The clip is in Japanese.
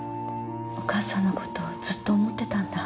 お母さんの事ずっと思ってたんだ。